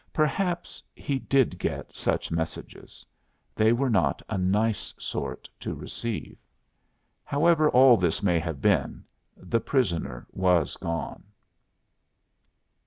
Perhaps he did get such messages. They are not a nice sort to receive. However all this may have been, the prisoner was gone.